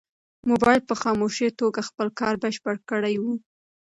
موبایل په خاموشه توګه خپل کار بشپړ کړی و.